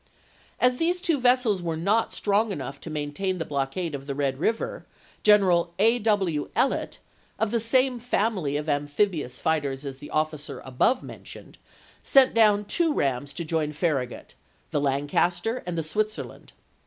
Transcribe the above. As these two vessels were not strong enough to main tain the blockade of the Red River, General A. W. Ellet, of the same family of amphibious fighters as the officer above mentioned, sent down two rams to join Farragut, the Lancaster and the Switzerland.